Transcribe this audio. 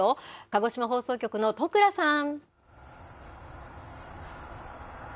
鹿児島放送局の都倉さん。